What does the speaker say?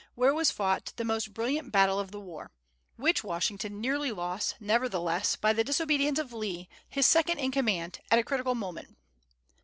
where was fought the most brilliant battle of the war, which Washington nearly lost, nevertheless, by the disobedience of Lee, his second in command, at a critical moment.